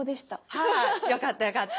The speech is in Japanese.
はいよかったよかった。